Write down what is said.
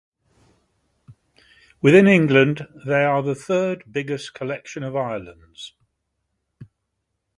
Within England, they are the third biggest collection of islands.